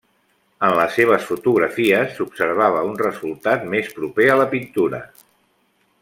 En les seves fotografies s'observava un resultat més proper a la pintura.